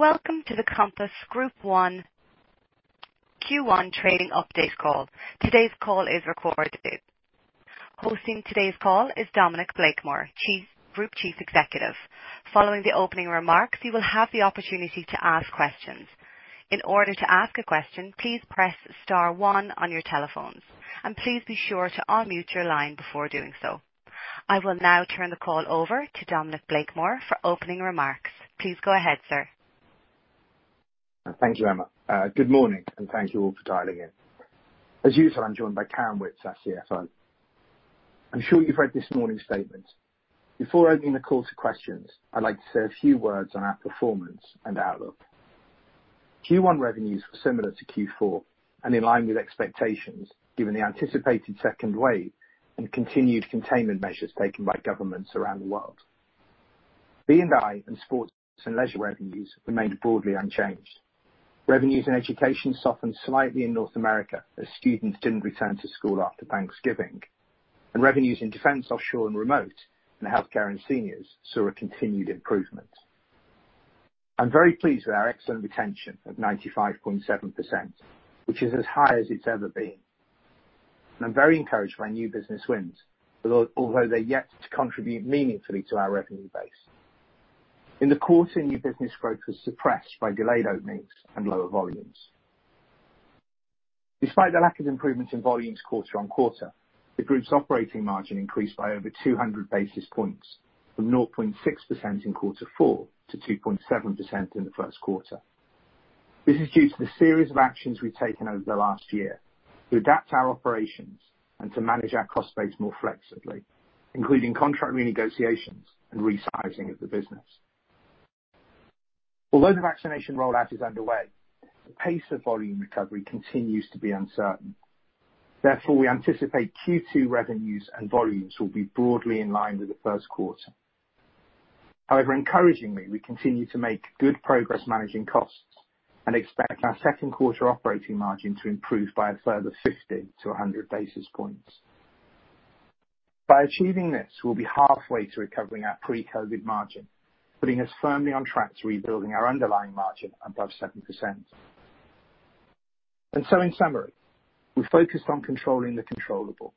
Welcome to the Compass Group Q1 trading update call. Today's call is recorded. Hosting today's call is Dominic Blakemore, Group Chief Executive. Following the opening remarks, you will have the opportunity to ask questions. In order to ask a question, please press star one on your telephones. Please be sure to unmute your line before doing so. I will now turn the call over to Dominic Blakemore for opening remarks. Please go ahead, sir. Thank you, Emma. Good morning, and thank you all for dialing in. As usual, I'm joined by Karen Witts, our CFO. I'm sure you've read this morning's statement. Before opening the call to questions, I'd like to say a few words on our performance and outlook. Q1 revenues were similar to Q4 and in line with expectations given the anticipated second wave and continued containment measures taken by governments around the world. B&I and sports and leisure revenues remained broadly unchanged. Revenues in education softened slightly in North America as students didn't return to school after Thanksgiving. Revenues in defense offshore and remote and healthcare and seniors saw a continued improvement. I'm very pleased with our excellent retention of 95.7%, which is as high as it's ever been. I'm very encouraged by new business wins, although they're yet to contribute meaningfully to our revenue base. In the quarter, new business growth was suppressed by delayed openings and lower volumes. Despite the lack of improvements in volumes quarter-on-quarter, the group's operating margin increased by over 200 basis points from 0.6% in quarter four to 2.7% in the first quarter. This is due to the series of actions we've taken over the last year to adapt our operations and to manage our cost base more flexibly, including contract renegotiations and resizing of the business. Although the vaccination rollout is underway, the pace of volume recovery continues to be uncertain. We anticipate Q2 revenues and volumes will be broadly in line with the first quarter. Encouragingly, we continue to make good progress managing costs and expect our second quarter operating margin to improve by a further 50 basis points-100 basis points. By achieving this, we'll be halfway to recovering our pre-COVID margin, putting us firmly on track to rebuilding our underlying margin above 7%. In summary, we focused on controlling the controllable.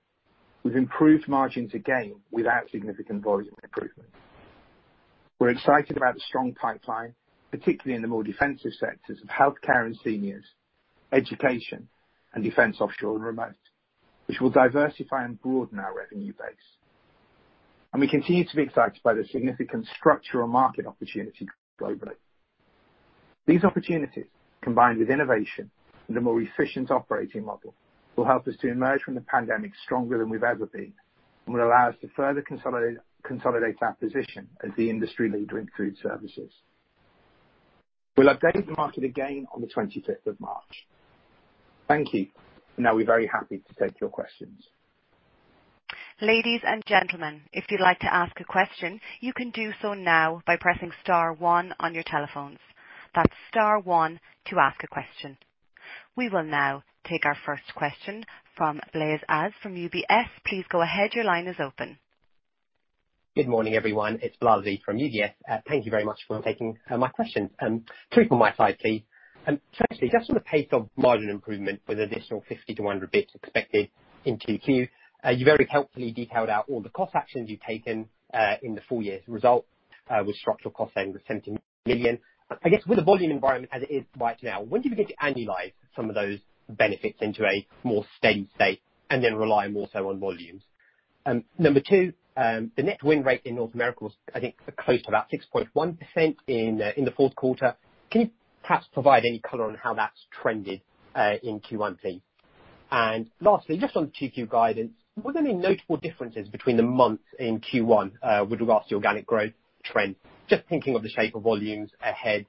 We've improved margins again without significant volume improvement. We're excited about the strong pipeline, particularly in the more defensive sectors of healthcare and seniors, education, and defense offshore and remote, which will diversify and broaden our revenue base. We continue to be excited by the significant structural market opportunity globally. These opportunities, combined with innovation and a more efficient operating model, will help us to emerge from the pandemic stronger than we've ever been and will allow us to further consolidate our position as the industry leader in food services. We'll update the market again on the 25th of March. Thank you. Now we're very happy to take your questions. Ladies and gentlemen, if you'd like to ask a question, you can do so now by pressing star one on your telephones. That's star one to ask a question. We will now take our first question from Bilal Aziz from UBS. Please go ahead. Your line is open. Good morning, everyone. It's Bilal from UBS. Thank you very much for taking my questions. Three from my side, please. Firstly, just on the pace of margin improvement with additional 50 basis points-100 basis points expected in Q2. You very helpfully detailed out all the cost actions you've taken in the full year's result, with structural costs ending with 70 million. I guess, with the volume environment as it is right now, when do we get to annualize some of those benefits into a more steady state and then rely more so on volumes? Number two, the net win rate in North America was, I think, close to about 6.1% in the fourth quarter. Can you perhaps provide any color on how that's trended in Q1, please? Lastly, just on Q2 guidance, were there any notable differences between the months in Q1 with regards to organic growth trend? Just thinking of the shape of volumes ahead.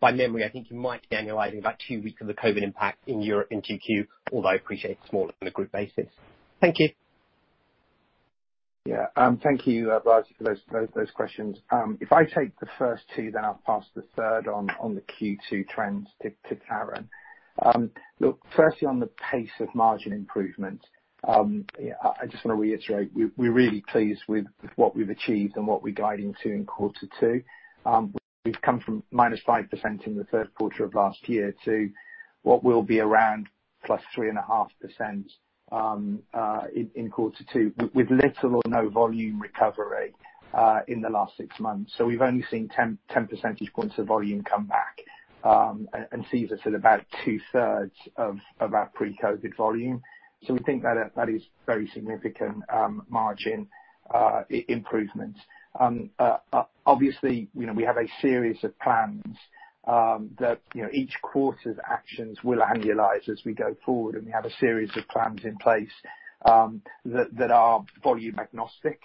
By memory, I think you might be annualizing about two weeks of the COVID impact in Europe in Q2, although I appreciate it's smaller than a group basis. Thank you. Thank you, Bilal, for those questions. If I take the first two, then I'll pass the third on the Q2 trends to Karen. Look, firstly, on the pace of margin improvement, I just want to reiterate, we're really pleased with what we've achieved and what we're guiding to in Q2. We've come from -5% in the third quarter of last year to what will be around +3.5% in Q2, with little or no volume recovery in the last six months. We've only seen 10 percentage points of volume come back and sees us at about 2/3 of our pre-COVID volume. We think that is very significant margin improvements. Obviously, we have a series of plans that each quarter's actions will annualize as we go forward, and we have a series of plans in place that are volume agnostic.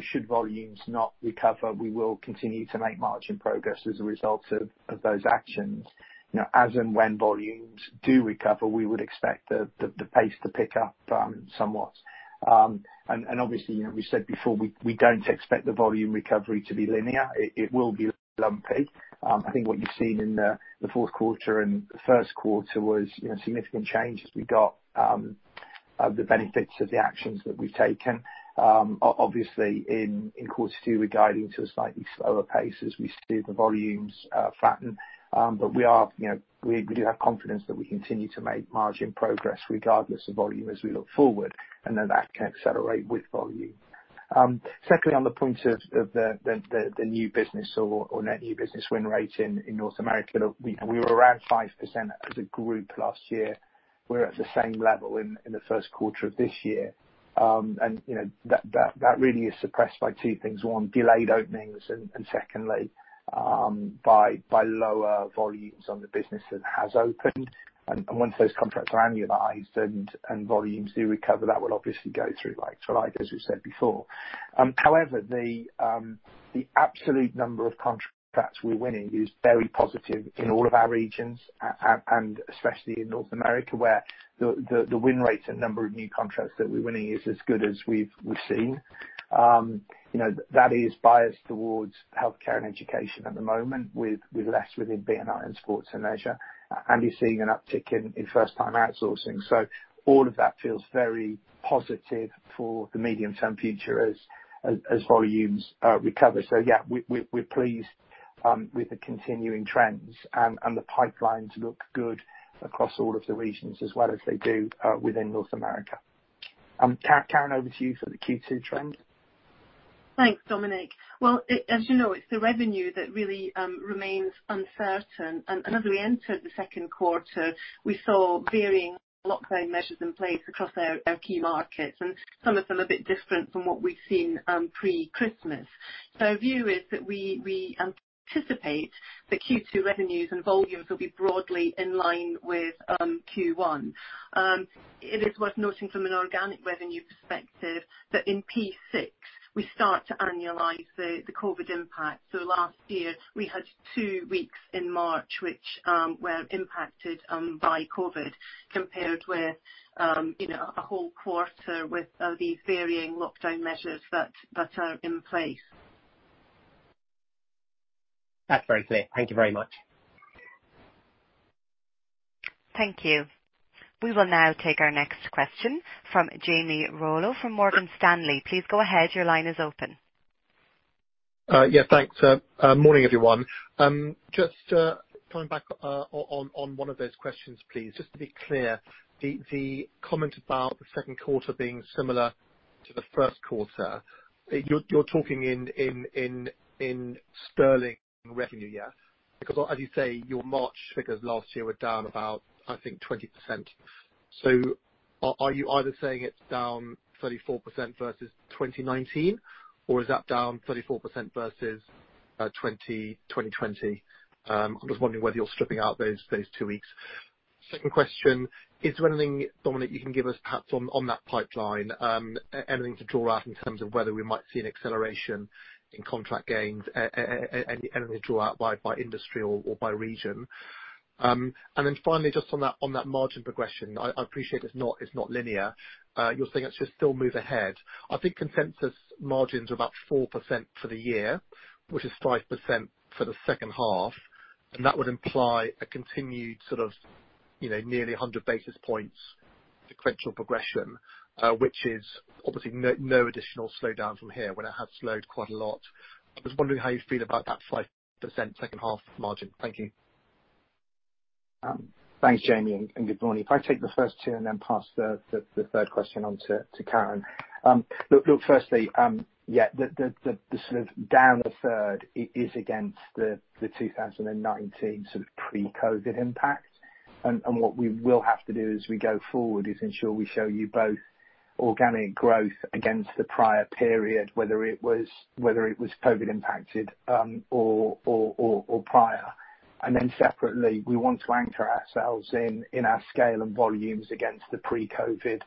Should volumes not recover, we will continue to make margin progress as a result of those actions. As and when volumes do recover, we would expect the pace to pick up somewhat. Obviously, we said before, we don't expect the volume recovery to be linear. It will be lumpy. I think what you've seen in the fourth quarter and first quarter was significant change of the benefits of the actions that we've taken. Obviously, in quarter two, we're guiding to a slightly slower pace as we see the volumes flatten. We do have confidence that we continue to make margin progress regardless of volume as we look forward, that can accelerate with volume. Secondly, on the point of the new business or net new business win rate in North America, we were around 5% as a group last year. We're at the same level in the first quarter of this year. That really is suppressed by two things. One, delayed openings and secondly, by lower volumes on the business that has opened. Once those contracts are annualized and volumes do recover, that will obviously go through like-for-like, as we said before. The absolute number of contracts we're winning is very positive in all of our regions, and especially in North America, where the win rates and number of new contracts that we're winning is as good as we've seen. That is biased towards healthcare and education at the moment, with less within B&I and sports and leisure. You're seeing an uptick in first-time outsourcing. All of that feels very positive for the medium-term future as volumes recover. Yeah, we're pleased with the continuing trends and the pipelines look good across all of the regions as well as they do within North America. Karen, over to you for the Q2 trends. Thanks, Dominic. Well, as you know, it's the revenue that really remains uncertain. As we entered the second quarter, we saw varying lockdown measures in place across our key markets, and some of them a bit different from what we've seen pre-Christmas. Our view is that we anticipate that Q2 revenues and volumes will be broadly in line with Q1. It is worth noting from an organic revenue perspective that in P6 we start to annualize the COVID impact. Last year we had two weeks in March which were impacted by COVID, compared with a whole one quarter with the varying lockdown measures that are in place. That's very clear. Thank you very much. Thank you. We will now take our next question from Jamie Rollo from Morgan Stanley. Please go ahead. Yeah, thanks. Morning, everyone. Just coming back on one of those questions, please. Just to be clear, the comment about the second quarter being similar to the first quarter, you're talking in sterling revenue, yeah? Because as you say, your March figures last year were down about, I think, 20%. Are you either saying it's down 34% versus 2019, or is that down 34% versus 2020? I'm just wondering whether you're stripping out those two weeks. Second question, is there anything, Dominic, you can give us perhaps on that pipeline? Anything to draw out in terms of whether we might see an acceleration in contract gains, anything to draw out by industry or by region. Finally, just on that margin progression, I appreciate it's not linear. You're saying it should still move ahead. I think consensus margins are about 4% for the year, which is 5% for the second half. That would imply a continued nearly 100 basis points sequential progression, which is obviously no additional slowdown from here when it has slowed quite a lot. I was wondering how you feel about that 5% second half margin. Thank you. Thanks, Jamie, and good morning. If I take the first two and then pass the third question on to Karen. Look, firstly, yeah, the sort of down a third, it is against the 2019 sort of pre-COVID impact. What we will have to do as we go forward is ensure we show you both organic growth against the prior period, whether it was COVID impacted or prior. Then separately, we want to anchor ourselves in our scale and volumes against the pre-COVID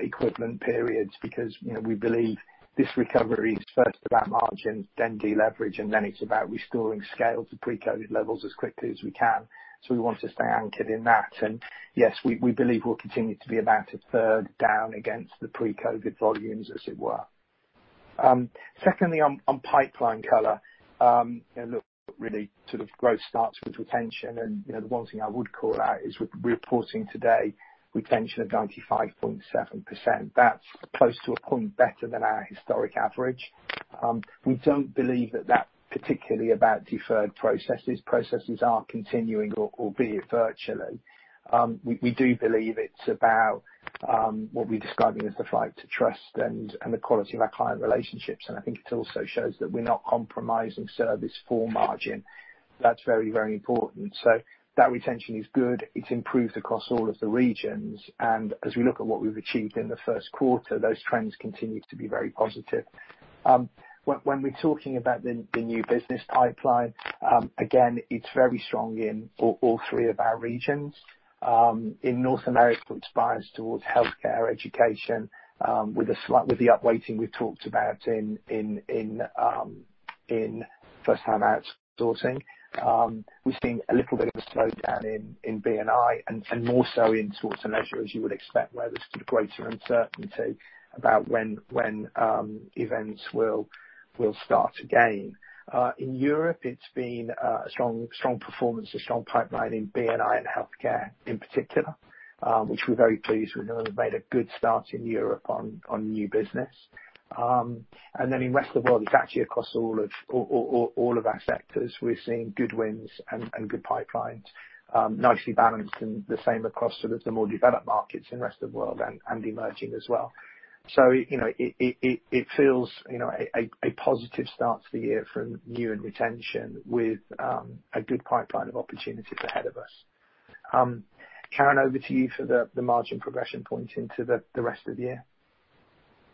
equivalent periods, because we believe this recovery is first about margin, then deleverage, and then it's about restoring scale to pre-COVID levels as quickly as we can. We want to stay anchored in that. Yes, we believe we'll continue to be about a third down against the pre-COVID volumes, as it were. Secondly, on pipeline color. Look, really growth starts with retention, the one thing I would call out is we're reporting today retention of 95.7%. That's close to a point better than our historic average. We don't believe that particularly about deferred processes. Processes are continuing, albeit virtually. We do believe it's about what we're describing as the flight to trust and the quality of our client relationships. I think it also shows that we're not compromising service for margin. That's very, very important. That retention is good. It's improved across all of the regions. As we look at what we've achieved in the first quarter, those trends continue to be very positive. When we're talking about the new business pipeline, again, it's very strong in all three of our regions. In North America, it spans towards healthcare, education, with the upweighting we've talked about in first-time outsourcing. We've seen a little bit of a slowdown in B&I, and more so in sports and leisure, as you would expect, where there's greater uncertainty about when events will start again. In Europe, it's been a strong performance, a strong pipeline in B&I and healthcare in particular, which we're very pleased with. We've made a good start in Europe on new business. In the rest of the world, it's actually across all of our sectors. We're seeing good wins and good pipelines, nicely balanced, and the same across the more developed markets in the rest of the world, and emerging as well. It feels a positive start to the year from new and retention with a good pipeline of opportunities ahead of us. Karen, over to you for the margin progression point into the rest of the year.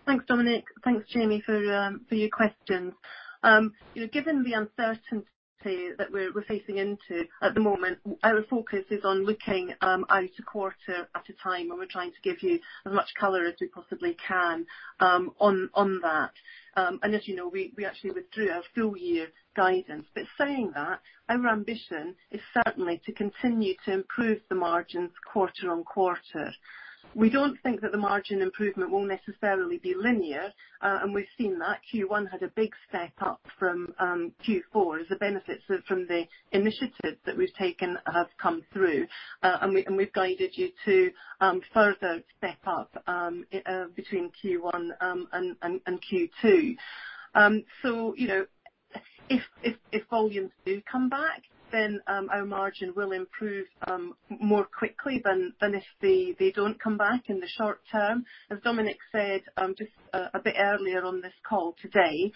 Thanks, Dominic. Thanks, Jamie, for your questions. Given the uncertainty that we're facing into at the moment, our focus is on looking out a quarter at a time, and we're trying to give you as much color as we possibly can on that. As you know, we actually withdrew our full year guidance. Saying that, our ambition is certainly to continue to improve the margins quarter-on-quarter. We don't think that the margin improvement will necessarily be linear, and we've seen that. Q1 had a big step-up from Q4 as the benefits from the initiatives that we've taken have come through. We've guided you to further step up between Q1 and Q2. If volumes do come back, then our margin will improve more quickly than if they don't come back in the short term. As Dominic said just a bit earlier on this call today,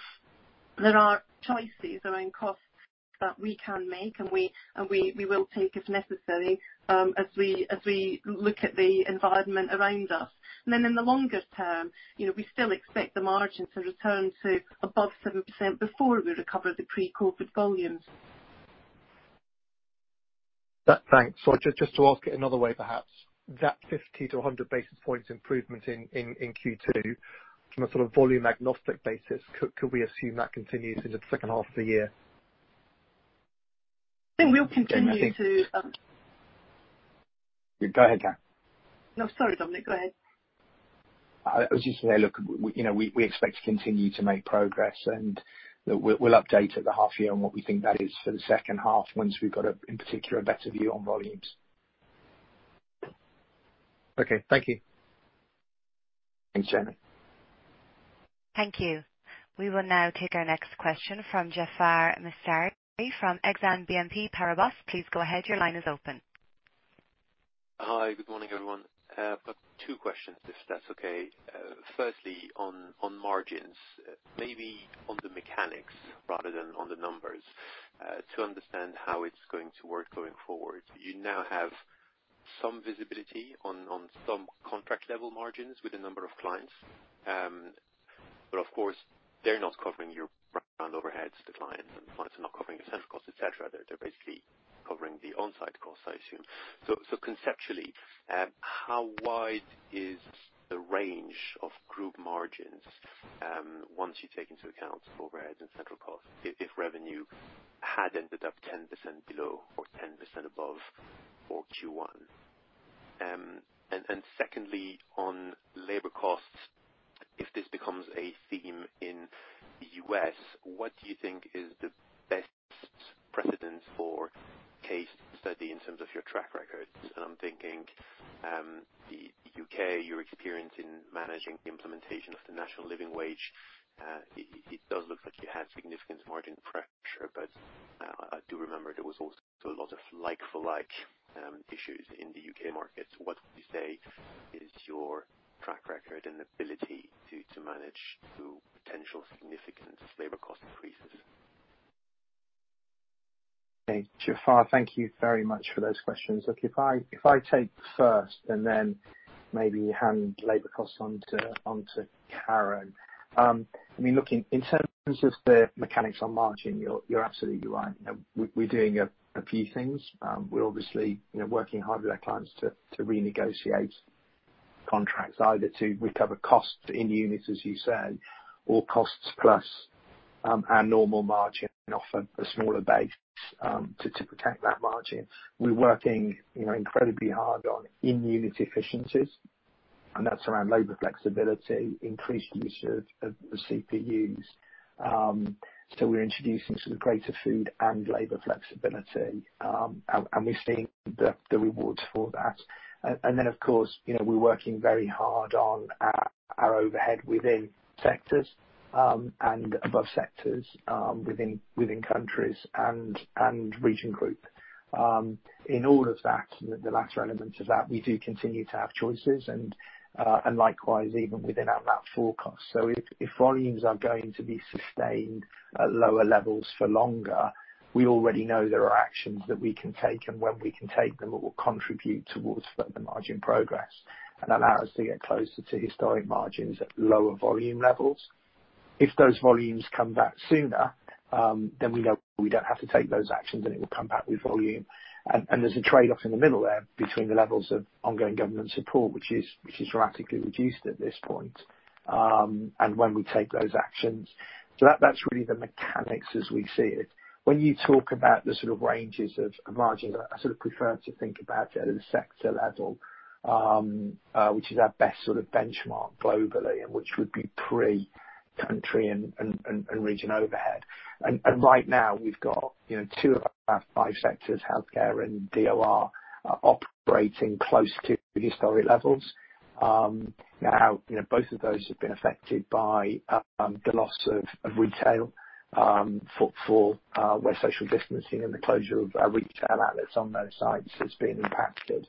there are choices around costs that we can make, and we will take as necessary, as we look at the environment around us. Then in the longer term, we still expect the margin to return to above 7% before we recover the pre-COVID volumes. Thanks. Just to ask it another way, perhaps, that 50 basis points-100 basis points improvement in Q2, from a volume agnostic basis, could we assume that continues into the second half of the year? I think we'll continue to. Go ahead, Karen. No, sorry, Dominic. Go ahead. I was just going to say, look, we expect to continue to make progress and we'll update at the half year on what we think that is for the second half once we've got, in particular, a better view on volumes. Okay. Thank you. Thanks, Jamie. Thank you. We will now take our next question from Jaafar Mestari from Exane BNP Paribas. Please go ahead. Your line is open. Hi. Good morning, everyone. I've got two questions, if that's okay. Firstly, on margins, maybe on the mechanics rather than on the numbers, to understand how it's going to work going forward. You now have some visibility on some contract level margins with a number of clients. Of course, they're not covering your background overheads, the clients, and the clients are not covering your central costs, et cetera. They're basically covering the on-site costs, I assume. Conceptually, how wide is the range of group margins once you take into account overheads and central costs, if revenue had ended up 10% below or 10% above for Q1? Secondly, on labor costs, if this becomes a theme in the U.S., what do you think is the best precedent for case study in terms of your track record? I'm thinking the U.K., your experience in managing the implementation of the National Living Wage. It does look like you had significant margin pressure, but I do remember there was also a lot of like-for-like issues in the U.K. market. What would you say is your track record and ability to manage through potential significant labor cost increases? Hey, Jaafar, thank you very much for those questions. If I take first and then maybe hand labor costs on to Karen. In terms of the mechanics on margin, you're absolutely right. We're doing a few things. We're obviously working hard with our clients to renegotiate contracts, either to recover costs in units, as you said, or cost plus our normal margin and offer a smaller base to protect that margin. We're working incredibly hard on in-unit efficiencies, that's around labor flexibility, increased use of CPUs. We're introducing greater food and labor flexibility. We're seeing the rewards for that. Of course, we're working very hard on our overhead within sectors and above sectors within countries and region group. In all of that, the latter element of that, we do continue to have choices and likewise even within our MAP forecast. If volumes are going to be sustained at lower levels for longer, we already know there are actions that we can take and when we can take them that will contribute towards further margin progress, and allow us to get closer to historic margins at lower volume levels. If those volumes come back sooner, then we know we don't have to take those actions and it will come back with volume. There's a trade-off in the middle there between the levels of ongoing government support, which is dramatically reduced at this point and when we take those actions. That's really the mechanics as we see it. When you talk about the ranges of margins, I prefer to think about it at a sector level, which is our best benchmark globally and which would be pre-country and region overhead. Right now we've got two of our five sectors, healthcare and DOR, are operating close to historic levels. Both of those have been affected by the loss of retail, where social distancing and the closure of our retail outlets on those sites has been impacted.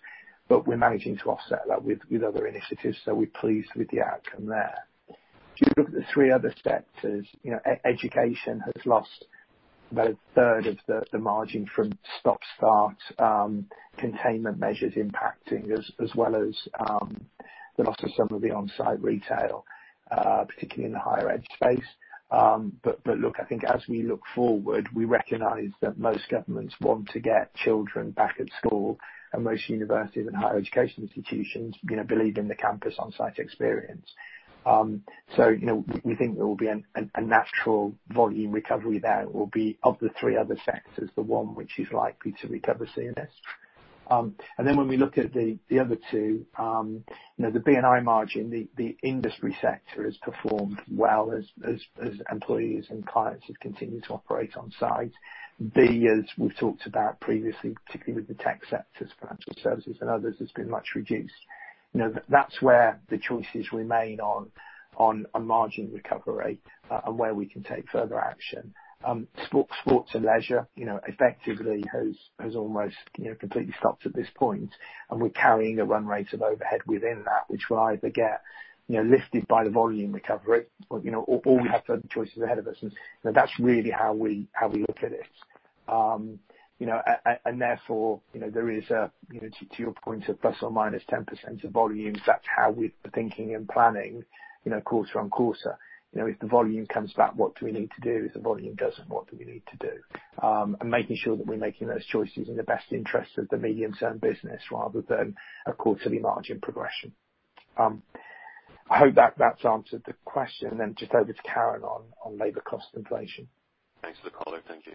We're managing to offset that with other initiatives, so we're pleased with the outcome there. If you look at the three other sectors, education has lost about a third of the margin from stop-start containment measures impacting, as well as the loss of some of the on-site retail, particularly in the higher ed space. Look, I think as we look forward, we recognize that most governments want to get children back at school, and most universities and higher education institutions believe in the campus on-site experience. We think there will be a natural volume recovery there. It will be, of the three other sectors, the one which is likely to recover soonest. When we look at the other two, the B&I margin, the industry sector, has performed well as employees and clients have continued to operate on-site. B, as we've talked about previously, particularly with the tech sectors, financial services and others, has been much reduced. That's where the choices remain on a margin recovery and where we can take further action. Sports and leisure effectively has almost completely stopped at this point, and we're carrying a run rate of overhead within that, which will either get lifted by the volume recovery or we have further choices ahead of us. That's really how we look at it. Therefore, there is, to your point, a ±10% of volumes. That's how we're thinking and planning quarter-on-quarter. If the volume comes back, what do we need to do? If the volume doesn't, what do we need to do? Making sure that we're making those choices in the best interests of the medium-term business rather than a quarterly margin progression. I hope that's answered the question. Then just over to Karen on labor cost inflation. Thanks for the color. Thank you.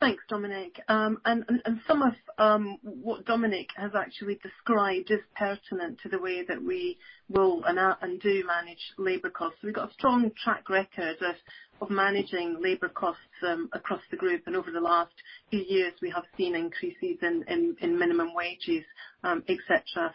Thanks, Dominic. Some of what Dominic has actually described is pertinent to the way that we will and do manage labor costs. We've got a strong track record of managing labor costs across the group. Over the last few years, we have seen increases in minimum wages, et cetera.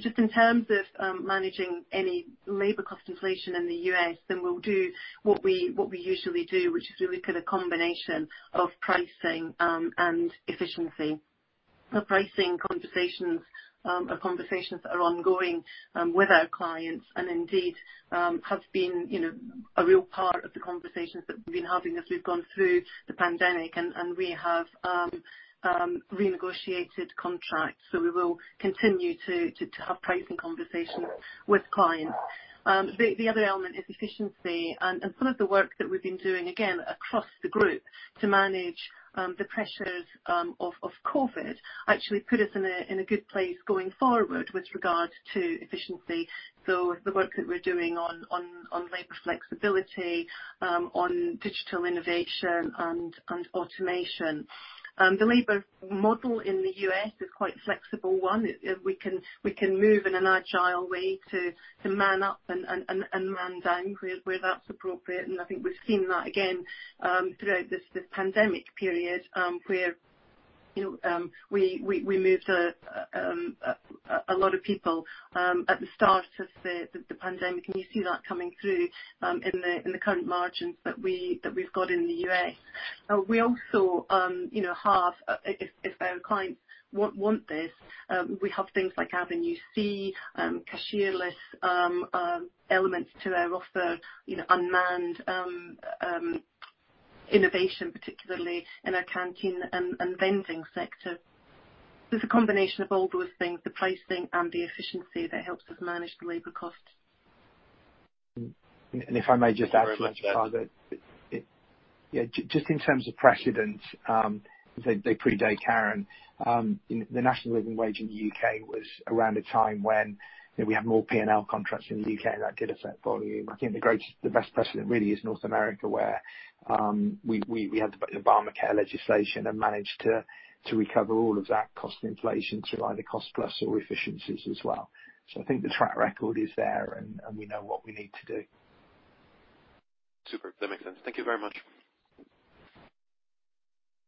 Just in terms of managing any labor cost inflation in the U.S., then we'll do what we usually do, which is we look at a combination of pricing and efficiency. Pricing conversations are conversations that are ongoing with our clients and indeed have been a real part of the conversations that we've been having as we've gone through the pandemic, and we have renegotiated contracts. We will continue to have pricing conversations with clients. The other element is efficiency. Some of the work that we've been doing, again, across the group to manage the pressures of COVID, actually put us in a good place going forward with regards to efficiency. The work that we're doing on labor flexibility, on digital innovation, and automation. The labor model in the U.S. is quite a flexible one. We can move in an agile way to man up and man down where that's appropriate, and I think we've seen that again throughout this pandemic period, where we moved a lot of people at the start of the pandemic, and you see that coming through in the current margins that we've got in the U.S. We also have, if our clients want this, we have things like Avenue C, cashier-less elements to their offer, unmanned innovation, particularly in our Canteen and vending sector. It's a combination of all those things, the pricing and the efficiency, that helps us manage the labor cost. If I may just add to that. Thank you very much for that. In terms of precedent, they predate Karen. The National Living Wage in the U.K. was around a time when we had more P&L contracts in the U.K., and that did affect volume. I think the best precedent really is North America, where we had the Obamacare legislation and managed to recover all of that cost inflation through either cost plus or efficiencies as well. I think the track record is there, and we know what we need to do. Super. That makes sense. Thank you very much.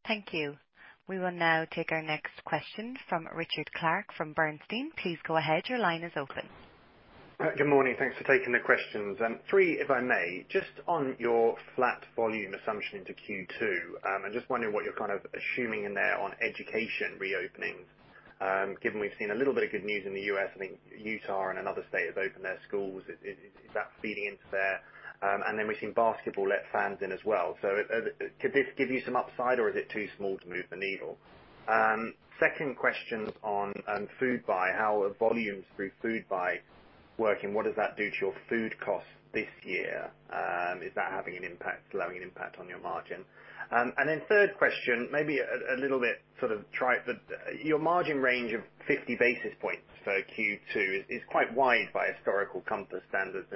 Thank you. We will now take our next question from Richard Clarke from Bernstein. Please go ahead. Good morning. Thanks for taking the questions. Three, if I may. Just on your flat volume assumption into Q2, I'm just wondering what you're kind of assuming in there on education reopening, given we've seen a little bit of good news in the U.S. I think Utah and another state have opened their schools. Is that feeding into there? Then we've seen basketball let fans in as well. Could this give you some upside, or is it too small to move the needle? Second question on Foodbuy, how are volumes through Foodbuy working, what does that do to your food cost this year? Is that having an impact, slowing an impact on your margin? Then third question, maybe a little bit sort of Your margin range of 50 basis points for Q2 is quite wide by historical Compass standards.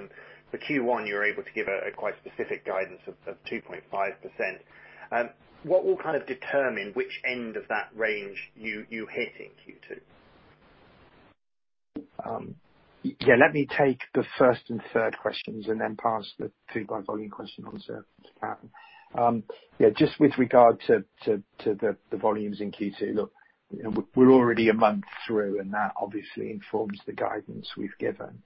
For Q1 you were able to give a quite specific guidance of 2.5%. What will determine which end of that range you hit in Q2? Let me take the first and third questions and then pass the Foodbuy volume question on to Karen. Just with regard to the volumes in Q2. Look, we're already a month through, and that obviously informs the guidance we've given.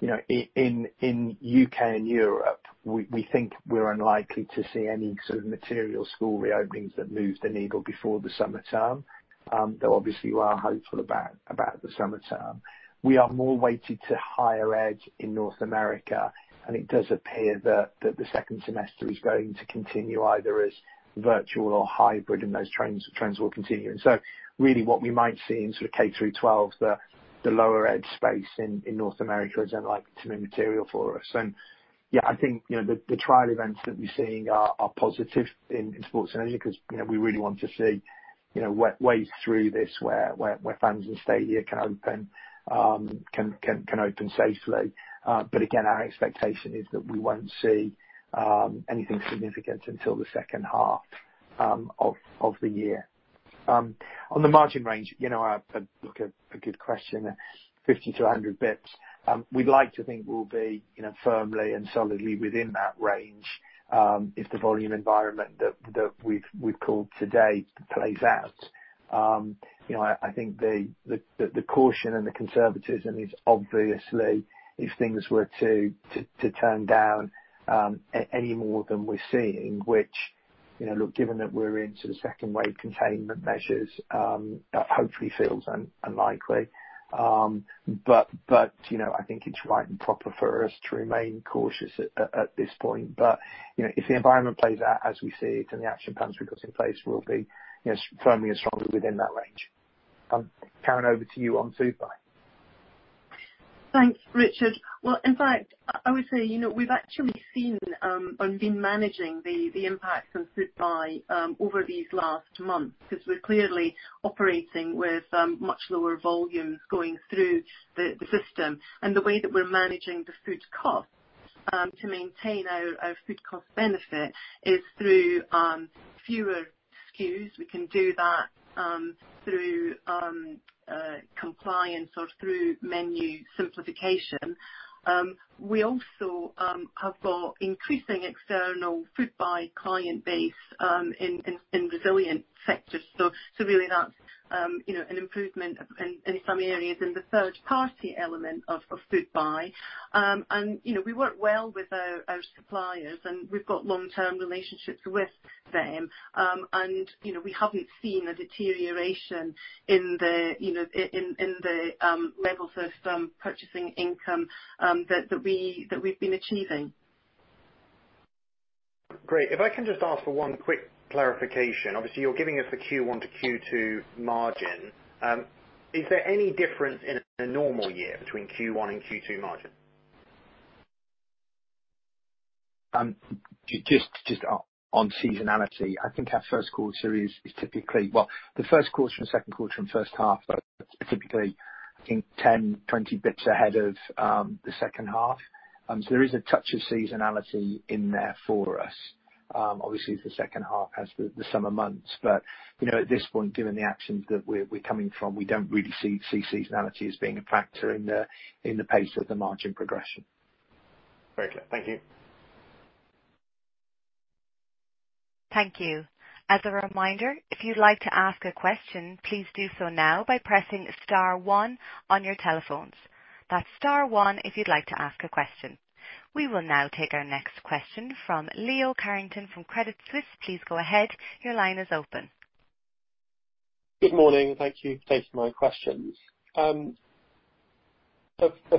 In U.K. and Europe, we think we're unlikely to see any sort of material school reopenings that move the needle before the summer term. Though, obviously we are hopeful about the summer term. We are more weighted to higher ed in North America, and it does appear that the second semester is going to continue either as virtual or hybrid, and those trends will continue. Really what we might see in sort of K-12, the lower ed space in North America is unlikely to be material for us. Yeah, I think, the trial events that we're seeing are positive in sports and leisure because we really want to see ways through this where fans in stadia can open safely. Again, our expectation is that we won't see anything significant until the second half of the year. On the margin range, look, a good question. 50 basis points-100 basis points. We'd like to think we'll be firmly and solidly within that range, if the volume environment that we've called today plays out. I think the caution and the conservatism is obviously, if things were to turn down any more than we're seeing, which, look, given that we're into the second wave containment measures, that hopefully feels unlikely. I think it's right and proper for us to remain cautious at this point. If the environment plays out as we see it, and the action plans we've got in place will be firmly and strongly within that range. Karen, over to you on Foodbuy. Thanks, Richard. Well, in fact, I would say, we've actually seen and been managing the impact of Foodbuy over these last months because we're clearly operating with much lower volumes going through the system. The way that we're managing the food cost to maintain our food cost benefit is through fewer SKUs. We can do that through compliance or through menu simplification. We also have got increasing external Foodbuy client base in resilient sectors. Really that's an improvement in some areas in the third-party element of Foodbuy. We work well with our suppliers, and we've got long-term relationships with them. We haven't seen a deterioration in the levels of purchasing income that we've been achieving. Great. If I can just ask for one quick clarification. Obviously you're giving us the Q1 to Q2 margin. Is there any difference in a normal year between Q1 and Q2 margin? Just on seasonality, I think the first quarter and second quarter and first half are typically, I think, 10 basis points, 20 basis points ahead of the second half. There is a touch of seasonality in there for us. Obviously, the second half has the summer months. At this point, given the actions that we're coming from, we don't really see seasonality as being a factor in the pace of the margin progression. Very clear. Thank you. Thank you. As a reminder, if you'd like to ask a question, please do so now by pressing star one on your telephones. That's star one if you'd like to ask a question. We will now take our next question from Leo Carrington from Credit Suisse. Good morning. Thank you for taking my questions. A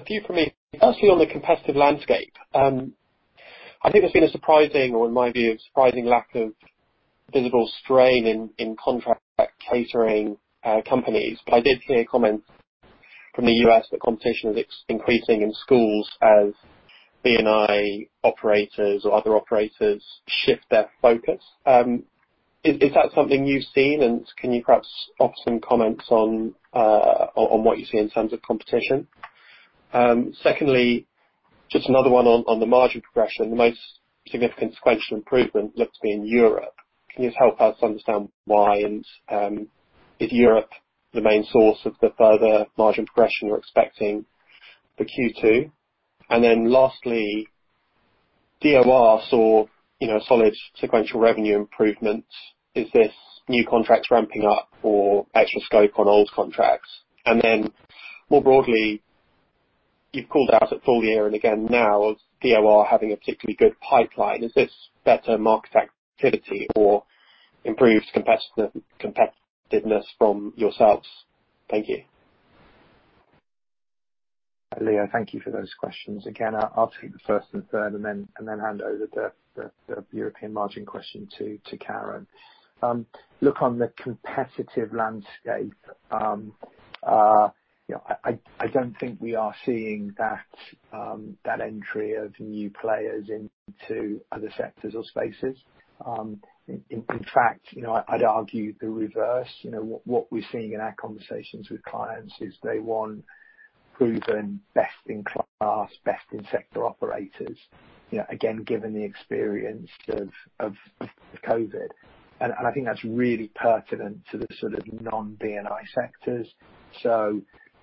few from me. Firstly, on the competitive landscape. I think there's been a surprising, or in my view, a surprising lack of visible strain in contract catering companies. I did see a comment from the U.S. that competition is increasing in schools as B&I operators or other operators shift their focus. Is that something you've seen, and can you perhaps offer some comments on what you see in terms of competition? Secondly, just another one on the margin progression. The most significant sequential improvement looks to be in Europe. Can you just help us understand why, and is Europe the main source of the further margin progression you're expecting for Q2? Lastly, DOR saw solid sequential revenue improvement. Is this new contracts ramping up or actual scope on old contracts? More broadly, you've called out at full year and again now of DOR having a particularly good pipeline. Is this better market activity or improved competitiveness from yourselves? Thank you. Leo, thank you for those questions. I'll take the first and third, and then hand over the European margin question to Karen. Look on the competitive landscape. I don't think we are seeing that entry of new players into other sectors or spaces. In fact, I'd argue the reverse. What we're seeing in our conversations with clients is they want proven, best-in-class, best-in-sector operators. Given the experience of COVID. I think that's really pertinent to the non-B&I sectors.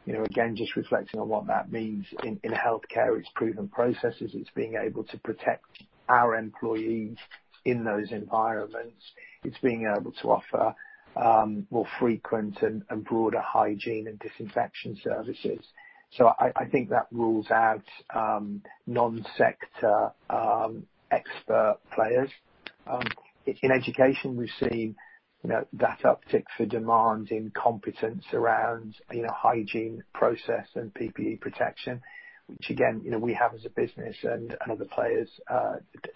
Again, just reflecting on what that means in healthcare, it's proven processes. It's being able to protect our employees in those environments. It's being able to offer more frequent and broader hygiene and disinfection services. I think that rules out non-sector expert players. In education, we've seen that uptick for demand in competence around hygiene process and PPE protection, which again, we have as a business and other players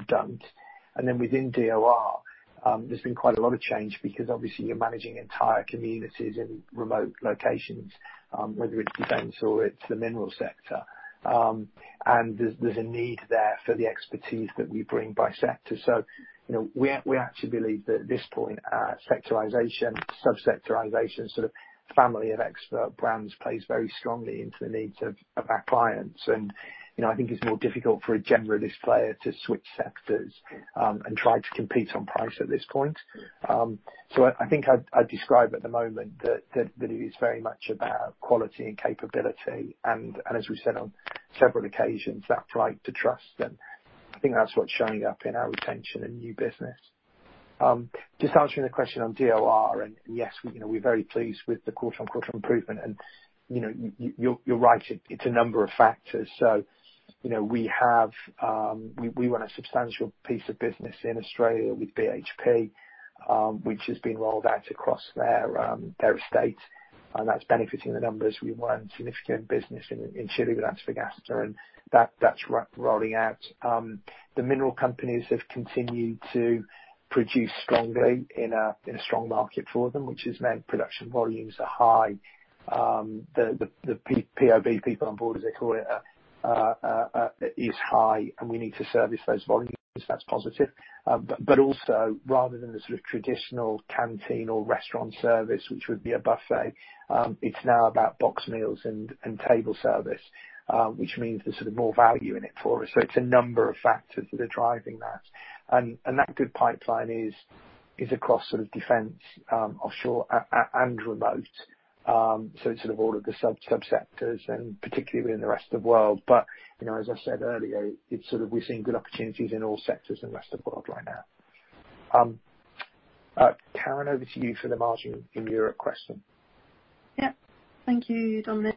don't. Within DOR, there's been quite a lot of change because obviously you're managing entire communities in remote locations, whether it's defense or it's the mineral sector. There's a need there for the expertise that we bring by sector. We actually believe that at this point, sectorization, sub-sectorization, family of expert brands plays very strongly into the needs of our clients. I think it's more difficult for a generalist player to switch sectors and try to compete on price at this point. I think I'd describe at the moment that it is very much about quality and capability and as we said on several occasions, that right to trust. I think that's what's showing up in our retention and new business. Just answering the question on DOR, yes, we're very pleased with the quarter-on-quarter improvement. You're right, it's a number of factors. We won a substantial piece of business in Australia with BHP, which has been rolled out across their estate, and that's benefiting the numbers. We won significant business in Chile with Antofagasta, and that's rolling out. The mineral companies have continued to produce strongly in a strong market for them, which has meant production volumes are high. The POB, people on board, as they call it, is high, and we need to service those volumes. That's positive. Also, rather than the traditional canteen or restaurant service, which would be a buffet, it's now about boxed meals and table service, which means there's more value in it for us. It's a number of factors that are driving that. That good pipeline is across defense, offshore, and remote. It's all of the sub-sectors and particularly in the rest of the world. As I said earlier, we're seeing good opportunities in all sectors in the rest of the world right now. Karen, over to you for the margin in Europe question. Yep. Thank you, Dominic.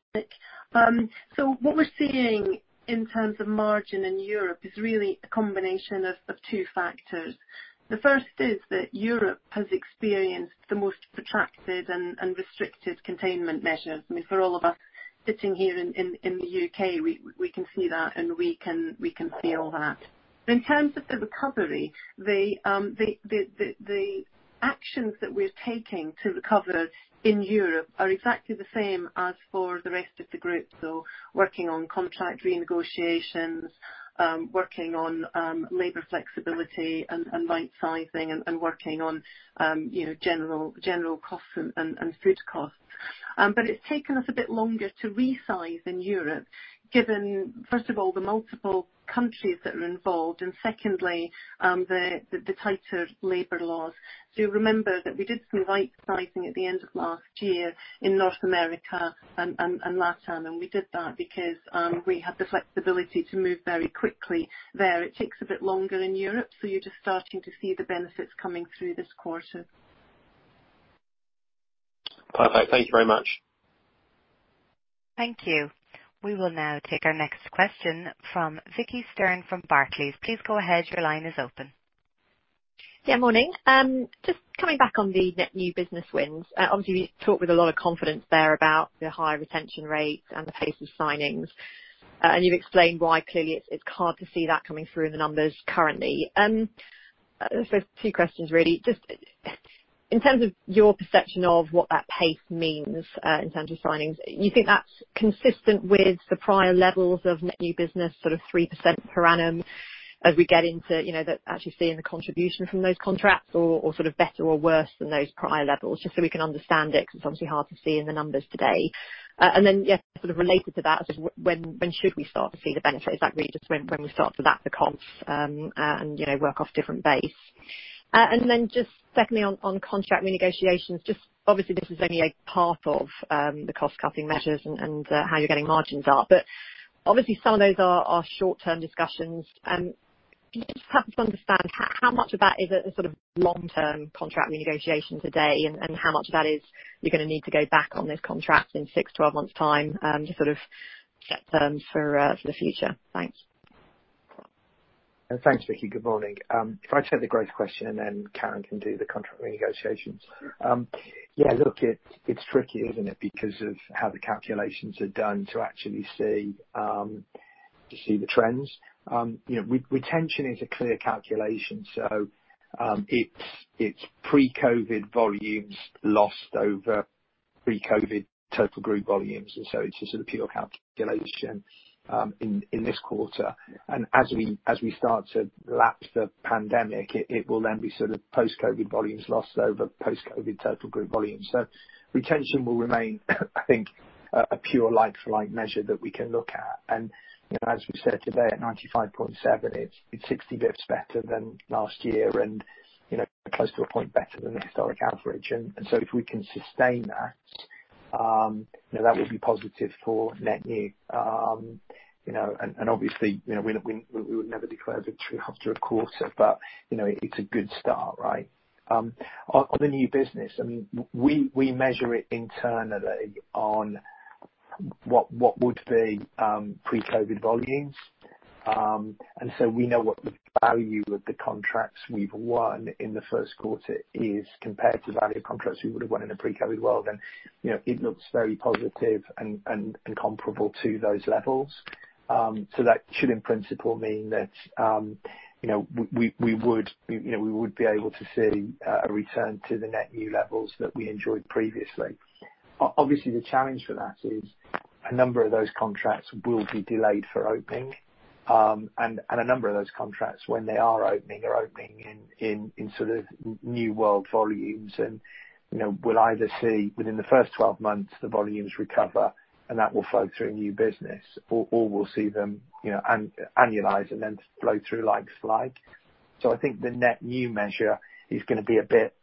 What we're seeing in terms of margin in Europe is really a combination of two factors. The first is that Europe has experienced the most protracted and restricted containment measures. I mean, for all of us sitting here in the U.K., we can see that and we can feel that. In terms of the recovery, the actions that we're taking to recover in Europe are exactly the same as for the rest of the group. Working on contract renegotiations, working on labor flexibility and right-sizing, and working on general costs and food costs. It's taken us a bit longer to resize in Europe, given, first of all, the multiple countries that are involved, and secondly, the tighter labor laws. You remember that we did some right-sizing at the end of last year in North America and LatAm, and we did that because we had the flexibility to move very quickly there. It takes a bit longer in Europe, so you're just starting to see the benefits coming through this quarter. Perfect. Thank you very much. Thank you. We will now take our next question from Vicki Stern from Barclays. Please go ahead. Your line is open. Yeah, morning. Just coming back on the net new business wins. Obviously, you talked with a lot of confidence there about the high retention rate and the pace of signings. And you've explained why clearly it's hard to see that coming through in the numbers currently. Two questions, really. Just in terms of your perception of what that pace means in terms of signings, you think that's consistent with the prior levels of net new business, 3% per annum as we get into actually seeing the contribution from those contracts or better or worse than those prior levels? Just so we can understand it because it's obviously hard to see in the numbers today. Yeah, sort of related to that, when should we start to see the benefit? Is that really just when we start to lap the comps and work off different base? Just secondly on contract renegotiations. Obviously, this is only a part of the cost-cutting measures and how you're getting margins up. Obviously some of those are short-term discussions. Do you just happen to understand how much of that is a sort of long-term contract renegotiation today, and how much of that is you're going to need to go back on those contracts in 6-12 months' time to sort of set terms for the future? Thanks. Thanks, Vicki. Good morning. If I take the growth question, and then Karen can do the contract renegotiations. Yeah, look, it's tricky, isn't it? Because of how the calculations are done to actually see the trends. Retention is a clear calculation, so it's pre-COVID volumes lost over pre-COVID total group volumes. It's a sort of pure calculation in this quarter. As we start to lapse the pandemic, it will then be post-COVID volumes lost over post-COVID total group volumes. Retention will remain, I think, a pure like-for-like measure that we can look at. As we said today, at 95.7%, it's 60 basis points better than last year and close to one point better than the historic average. If we can sustain that would be positive for net new. Obviously, we would never declare victory after a quarter, but it's a good start, right? On the new business, we measure it internally on what would be pre-COVID volumes. We know what the value of the contracts we've won in the first quarter is compared to the value of contracts we would've won in a pre-COVID world. It looks very positive and comparable to those levels. That should in principle mean that we would be able to see a return to the net new levels that we enjoyed previously. Obviously, the challenge for that is a number of those contracts will be delayed for opening. A number of those contracts, when they are opening, are opening in new world volumes. We'll either see within the first 12 months the volumes recover, and that will flow through new business. We'll see them annualize and then flow through like slide. I think the net new measure is going to be a bit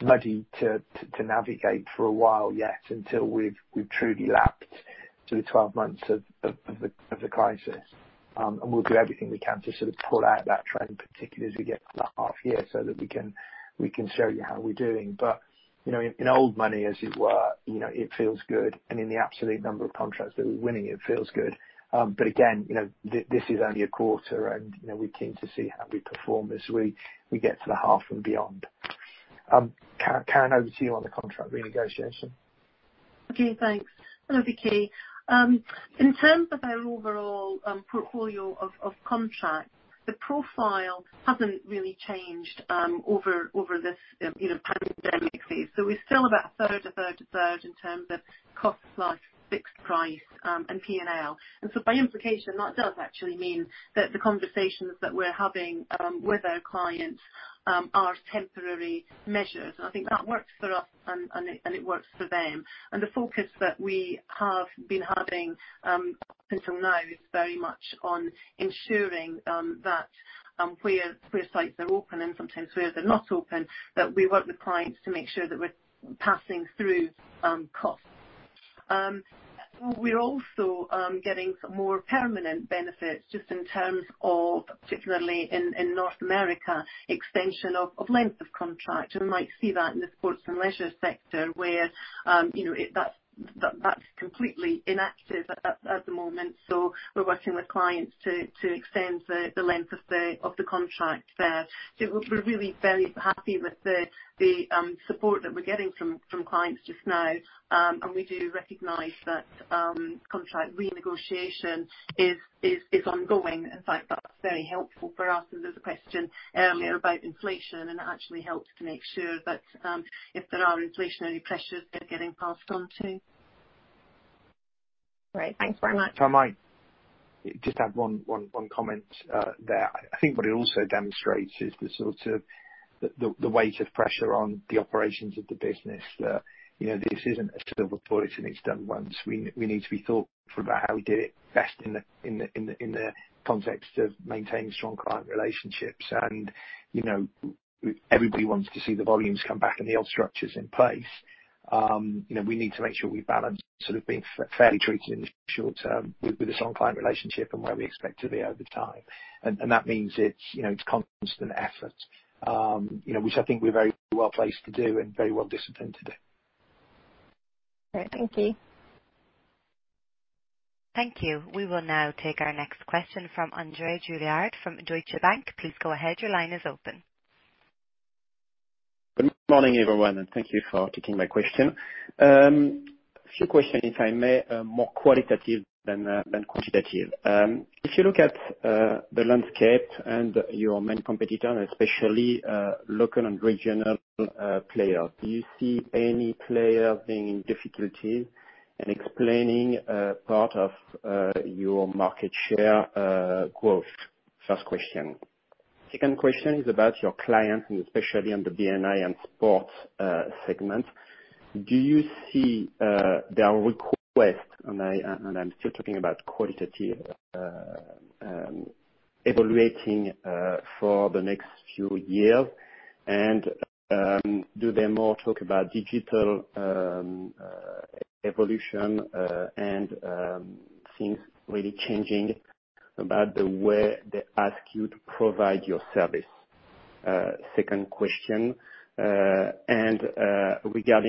muddy to navigate for a while yet until we've truly lapsed through the 12 months of the crisis. We'll do everything we can to sort of pull out that trend, particularly as we get to the half year, so that we can show you how we're doing. In old money, as it were, it feels good. In the absolute number of contracts that we're winning, it feels good. Again, this is only a quarter, and we're keen to see how we perform as we get to the half and beyond. Karen, over to you on the contract renegotiation. Okay, thanks. Hello, Vicki. In terms of our overall portfolio of contracts, the profile hasn't really changed over this pandemic phase. We're still about a third, a third, a third in terms of cost plus fixed price and P&L. By implication, that does actually mean that the conversations that we're having with our clients are temporary measures, and I think that works for us, and it works for them. The focus that we have been having up until now is very much on ensuring that where sites are open, and sometimes where they're not open, that we work with clients to make sure that we're passing through costs. We're also getting some more permanent benefits just in terms of, particularly in North America, extension of length of contract. We might see that in the sports and leisure sector where that's completely inactive at the moment. We're working with clients to extend the length of the contract there. We're really very happy with the support that we're getting from clients just now. We do recognize that contract renegotiation is ongoing. In fact, that's very helpful for us. There's a question earlier about inflation, and it actually helps to make sure that if there are inflationary pressures, they're getting passed on too. Great. Thanks very much. If I might just add one comment there. I think what it also demonstrates is the weight of pressure on the operations of the business. That this isn't a silver bullet, and it's done once. We need to be thoughtful about how we do it best in the context of maintaining strong client relationships. Everybody wants to see the volumes come back and the old structures in place. We need to make sure we balance being fairly treated in the short term with a strong client relationship and where we expect to be over time. That means it's constant effort, which I think we're very well-placed to do and very well-disciplined to do. All right. Thank you. Thank you. We will now take our next question from André Juillard from Deutsche Bank. Please go ahead. Good morning, everyone, and thank you for taking my question. A few questions, if I may, more qualitative than quantitative. If you look at the landscape and your main competitor, especially local and regional players, do you see any player being in difficulty and explaining part of your market share growth? First question. Second question is about your clients, especially on the B&I and sports segment. Do you see their request, and I'm still talking about qualitative, evolving for the next few years? Do they more talk about digital evolution and things really changing about the way they ask you to provide your service? Second question. Regarding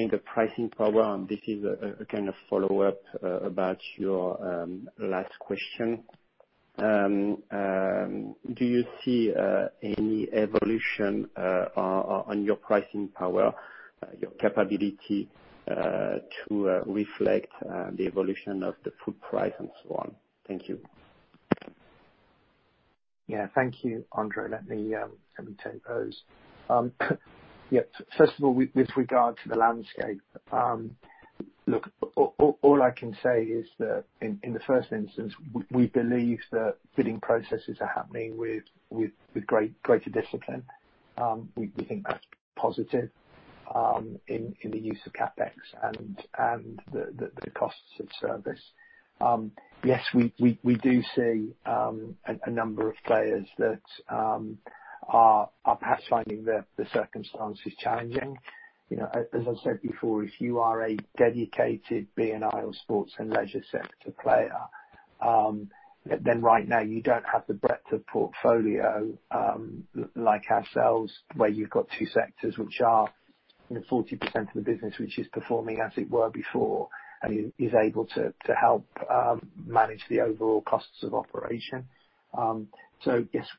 the pricing power, this is a kind of follow-up about your last question. Do you see any evolution on your pricing power, your capability to reflect the evolution of the food price and so on? Thank you. Thank you, André. Let me take those. First of all, with regard to the landscape. All I can say is that in the first instance, we believe that bidding processes are happening with greater discipline. We think that's positive in the use of CapEx and the costs of service. We do see a number of players that are perhaps finding the circumstances challenging. As I said before, if you are a dedicated B&I or sports and leisure sector player, then right now you don't have the breadth of portfolio like ourselves, where you've got two sectors which are 40% of the business, which is performing as it were before, and is able to help manage the overall costs of operation.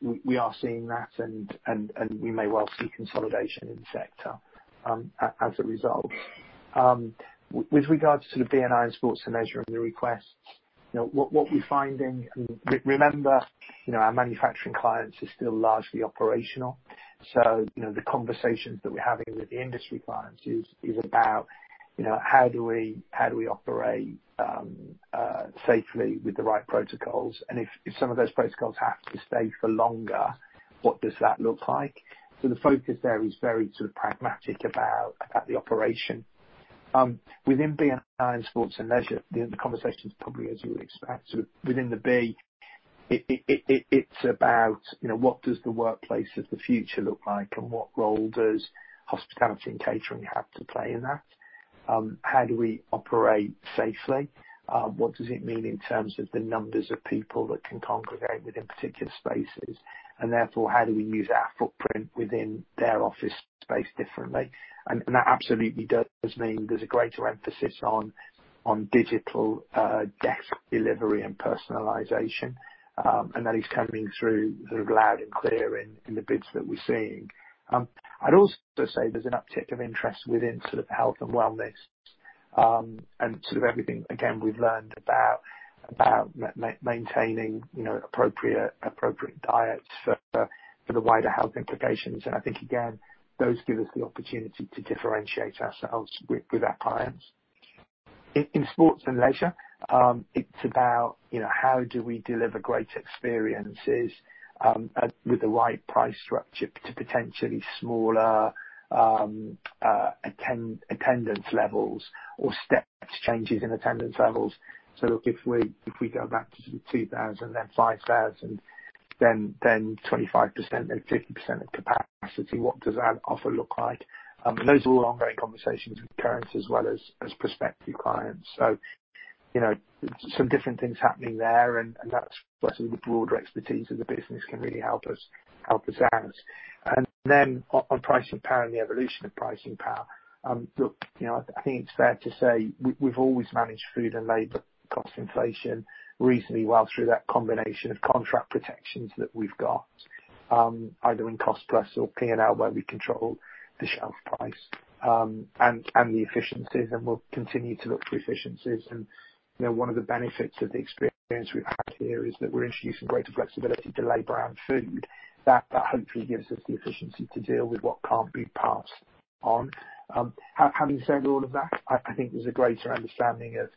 We are seeing that, and we may well see consolidation in the sector as a result. With regards to the B&I and sports and leisure and the requests, our manufacturing clients are still largely operational. The conversations that we're having with the industry clients is about how do we operate safely with the right protocols, and if some of those protocols have to stay for longer, what does that look like? The focus there is very pragmatic about the operation. Within B&I and sports and leisure, the conversation is probably as you would expect, within the B, it's about what does the workplace of the future look like, and what role does hospitality and catering have to play in that? How do we operate safely? What does it mean in terms of the numbers of people that can congregate within particular spaces? How do we use our footprint within their office space differently? That absolutely does mean there's a greater emphasis on digital desk delivery and personalization, and that is coming through loud and clear in the bids that we're seeing. I'd also say there's an uptick of interest within health and wellness, and everything, again, we've learned about maintaining appropriate diets for the wider health implications. I think, again, those give us the opportunity to differentiate ourselves with our clients. In sports and leisure, it's about how do we deliver great experiences with the right price structure to potentially smaller attendance levels or step changes in attendance levels. Look, if we go back to 2,000, then 5,000, then 25%, then 50% of capacity, what does that offer look like? Those are all ongoing conversations with current as well as prospective clients. Some different things happening there, and that's where the broader expertise of the business can really help us out. Then on pricing power and the evolution of pricing power. Look, I think it's fair to say, we've always managed food and labor cost inflation reasonably well through that combination of contract protections that we've got, either in cost plus or P&L, where we control the shelf price and the efficiencies, and we'll continue to look for efficiencies. One of the benefits of the experience we've had here is that we're introducing greater flexibility to labor and food. That hopefully gives us the efficiency to deal with what can't be passed on. Having said all of that, I think there's a greater understanding of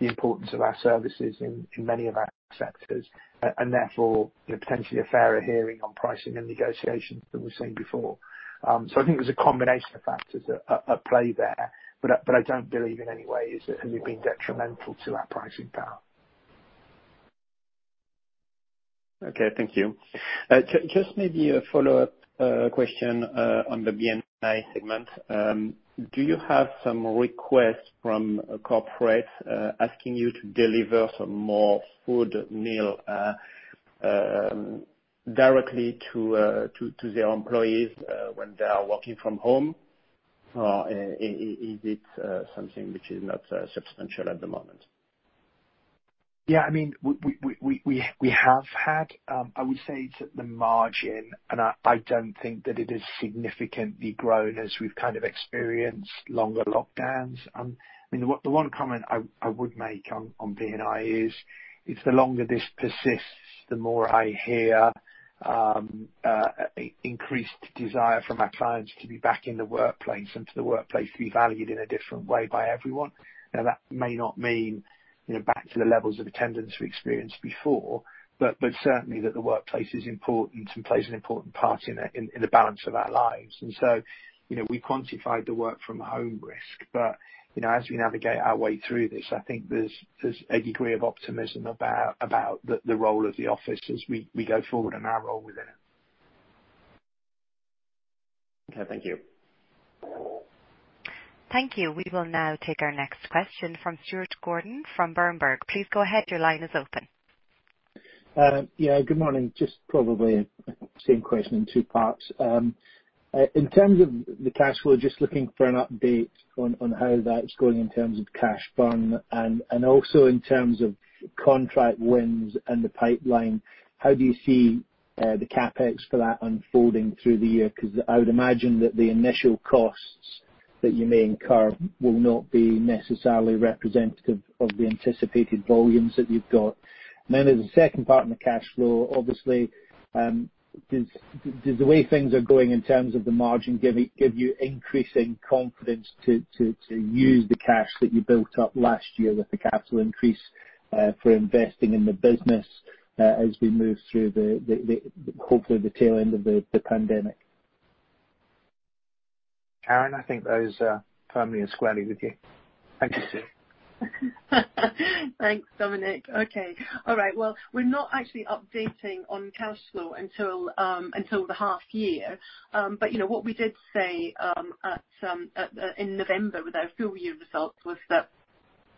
the importance of our services in many of our sectors, and therefore, potentially a fairer hearing on pricing and negotiations than we've seen before. I think there's a combination of factors at play there, but I don't believe in any way has it been detrimental to our pricing power. Okay, thank you. Just maybe a follow-up question on the B&I segment. Do you have some requests from corporates asking you to deliver some more food meal directly to their employees when they are working from home? Is it something which is not substantial at the moment? We have had. I would say it's at the margin, and I don't think that it has significantly grown as we've experienced longer lockdowns. The one comment I would make on B&I is, if the longer this persists, the more I hear increased desire from our clients to be back in the workplace and for the workplace to be valued in a different way by everyone. Now, that may not mean back to the levels of attendance we experienced before, but certainly that the workplace is important and plays an important part in the balance of our lives. We quantified the work from home risk, but as we navigate our way through this, I think there's a degree of optimism about the role of the office as we go forward and our role within it. Okay. Thank you. Thank you. We will now take our next question from Stuart Gordon from Berenberg. Please go ahead. Your line is open. Good morning. Probably same question in two parts. In terms of the cash flow, looking for an update on how that's going in terms of cash burn and also in terms of contract wins and the pipeline, how do you see the CapEx for that unfolding through the year? I would imagine that the initial costs that you may incur will not be necessarily representative of the anticipated volumes that you've got. As a second part in the cash flow, obviously, does the way things are going in terms of the margin give you increasing confidence to use the cash that you built up last year with the capital increase for investing in the business as we move through, hopefully, the tail end of the pandemic. Karen, I think those firmly are squarely with you. Thank you, Stuart. Thanks, Dominic. Okay. All right. Well, we're not actually updating on cash flow until the half year. What we did say in November with our full year results was that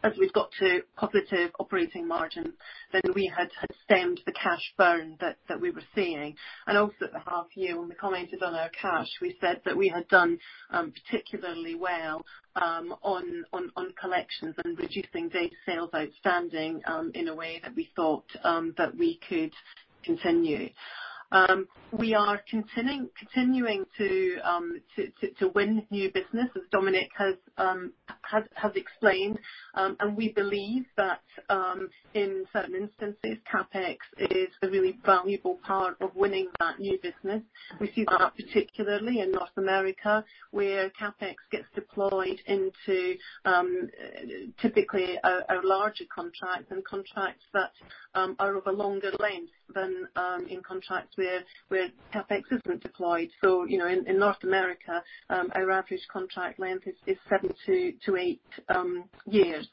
as we've got to positive operating margin, then we had stemmed the cash burn that we were seeing. Also at the half year when we commented on our cash, we said that we had done particularly well on collections and reducing days sales outstanding in a way that we thought that we could continue. We are continuing to win new business, as Dominic has explained. We believe that in certain instances, CapEx is a really valuable part of winning that new business. We see that particularly in North America, where CapEx gets deployed into typically a larger contract and contracts that are of a longer length than in contracts where CapEx isn't deployed. In North America, our average contract length is seven to eight years.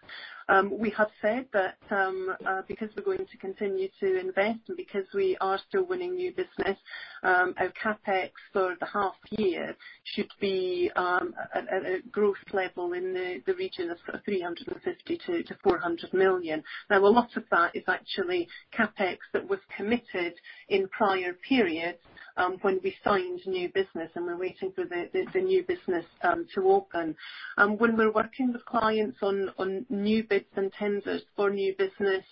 We have said that because we're going to continue to invest and because we are still winning new business, our CapEx for the half year should be at a gross level in the region of 350 million-400 million. A lot of that is actually CapEx that was committed in prior periods when we signed new business, and we're waiting for the new business to open. When we're working with clients on new bids and tenders for new business,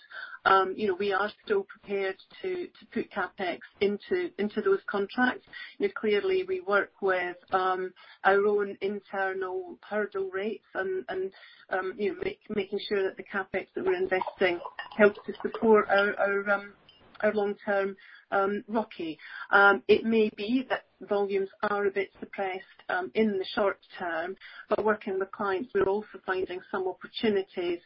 we are still prepared to put CapEx into those contracts. Clearly, we work with our own internal hurdle rates and making sure that the CapEx that we're investing helps to support our long-term ROCE. It may be that volumes are a bit suppressed in the short term, but working with clients, we're also finding some opportunities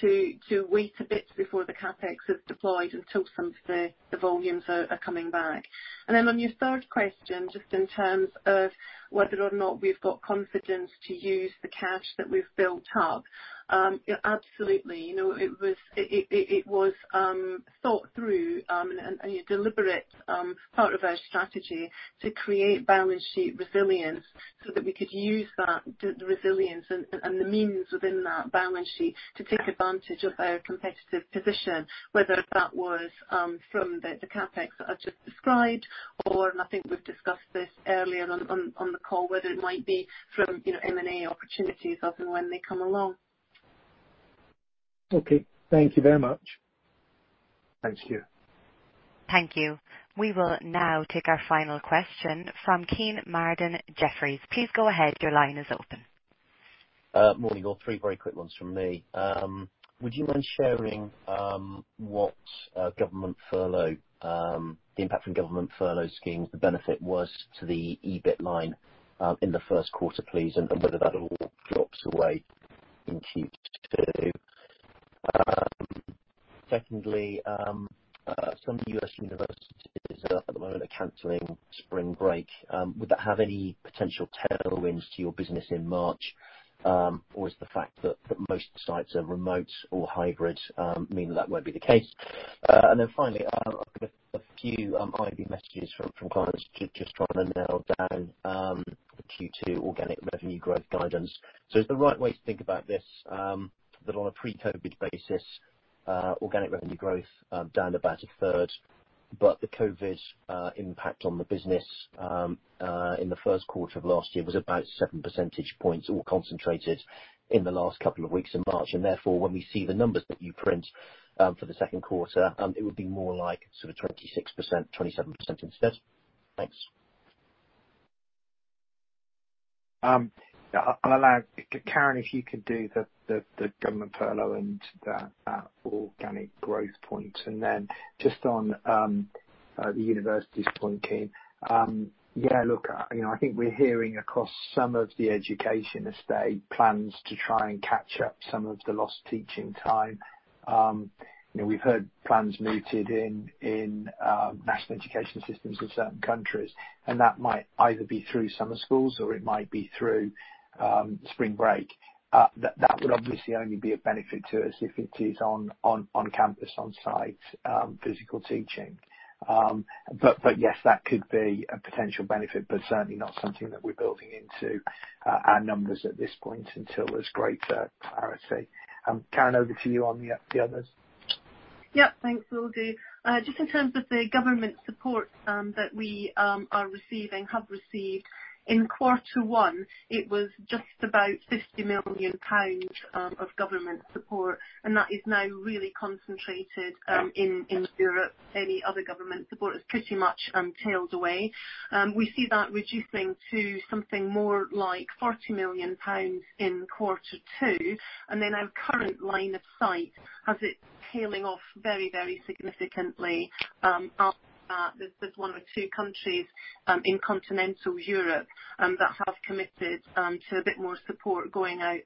to wait a bit before the CapEx is deployed until some of the volumes are coming back. On your third question, just in terms of whether or not we've got confidence to use the cash that we've built up. Absolutely. It was thought through and a deliberate part of our strategy to create balance sheet resilience so that we could use that, the resilience and the means within that balance sheet to take advantage of our competitive position, whether that was from the CapEx that I've just described or, and I think we've discussed this earlier on the call, whether it might be from M&A opportunities as and when they come along. Okay. Thank you very much. Thanks, Stuart. Thank you. We will now take our final question from Kean Marden, Jefferies. Please go ahead. Your line is open. Morning, all. Three very quick ones from me. Would you mind sharing what the impact from government furlough schemes, the benefit was to the EBIT line in the first quarter, please, and whether that all drops away in Q2? Secondly, some U.S. universities at the moment are canceling spring break. Would that have any potential tailwinds to your business in March? Is the fact that most sites are remote or hybrid mean that won't be the case? Finally, I've got a few IB messages from clients just trying to nail down the Q2 organic revenue growth guidance. Is the right way to think about this that on a pre-COVID basis, organic revenue growth down about a third, but the COVID impact on the business in the first quarter of last year was about 7 percentage points all concentrated in the last couple of weeks in March, and therefore, when we see the numbers that you print for the second quarter, it would be more like sort of 26%, 27% instead? Thanks. I'll allow Karen, if you could do the government furlough and the organic growth point. Then just on the universities point, Kean. Yeah, look, I think we're hearing across some of the education estate plans to try and catch up some of the lost teaching time. We've heard plans mooted in national education systems of certain countries, that might either be through summer schools or it might be through spring break. That would obviously only be a benefit to us if it is on campus, on site, physical teaching. Yes, that could be a potential benefit, but certainly not something that we're building into our numbers at this point until there's greater clarity. Karen, over to you on the others. Thanks, Will do. Just in terms of the government support that we are receiving, have received, in quarter one, it was just about 50 million pounds of government support, and that is now really concentrated in Europe. Any other government support has pretty much tailed away. We see that reducing to something more like 40 million pounds in quarter two, and then our current line of sight has it tailing off very significantly. There's one or two countries in continental Europe that have committed to a bit more support going out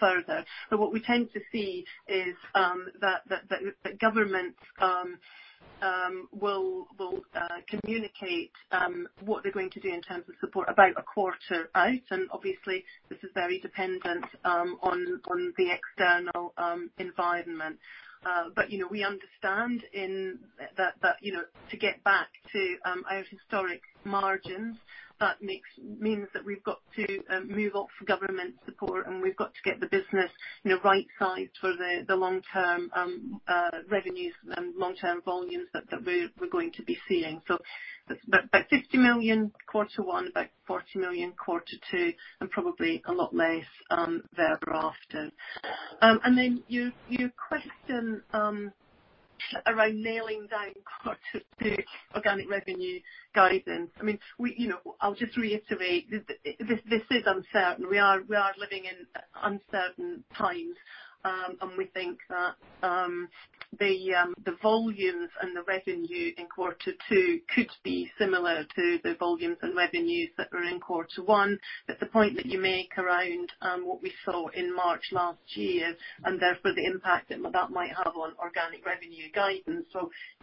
further. What we tend to see is that governments will communicate what they're going to do in terms of support about a quarter out, and obviously this is very dependent on the external environment. We understand that to get back to our historic margins, that means that we've got to move off government support, and we've got to get the business right-sized for the long-term revenues and long-term volumes that we're going to be seeing. About 50 million quarter one, about 40 million quarter two, and probably a lot less thereafter. Your question around nailing down quarter two organic revenue guidance. I'll just reiterate, this is uncertain. We are living in uncertain times. We think that the volumes and the revenue in quarter two could be similar to the volumes and revenues that were in quarter one, but the point that you make around what we saw in March last year, and therefore the impact that might have on organic revenue guidance.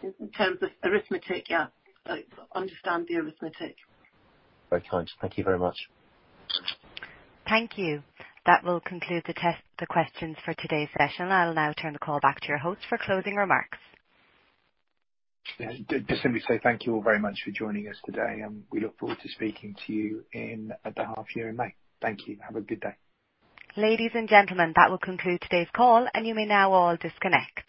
In terms of arithmetic, yeah. I understand the arithmetic. Very kind. Thank you very much. Thank you. That will conclude the questions for today's session. I will now turn the call back to your host for closing remarks. Just let me say thank you all very much for joining us today, and we look forward to speaking to you at the half year in May. Thank you. Have a good day. Ladies and gentlemen, that will conclude today's call. You may now all disconnect.